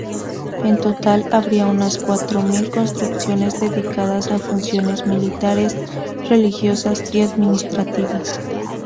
En total habría unas cuatro mil construcciones dedicadas a funciones militares, religiosas y administrativas.